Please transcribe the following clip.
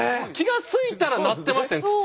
気が付いたら鳴ってましたよね。